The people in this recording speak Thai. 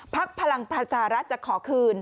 ภักดิ์พลังประชารัฐจะขอคืน